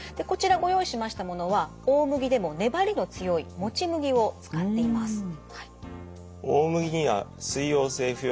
こちらご用意しましたものは大麦でも粘りの強いもち麦を使っています。